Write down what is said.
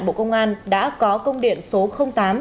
bộ công an đã có công điện số tám